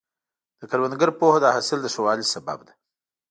د کروندګر پوهه د حاصل د ښه والي سبب ده.